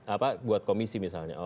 apa buat komisi misalnya